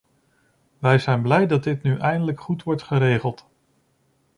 Wij zijn blij dat dit nu eindelijk goed wordt geregeld.